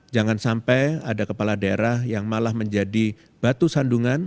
jangan sampai ada kepala daerah yang malah menjadi batu sandungan